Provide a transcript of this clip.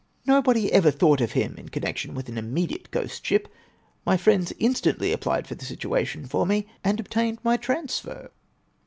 Nobody ever thought of him in connection with an immediate ghostship. My friends instantly applied for the situation for me, and obtained my transfer."